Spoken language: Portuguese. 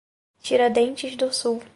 Tiradentes do Sul